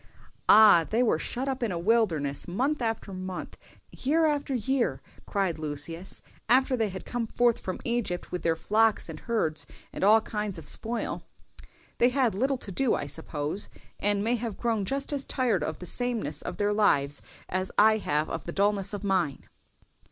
"Ah! they were shut up in a wilderness month after month, year after year," cried Lucius, "after they had come forth from Egypt with their flocks and herds and all kinds of spoil. They had little to do, I suppose, and may have grown just as tired of the sameness of their lives as I have of the dulness of mine."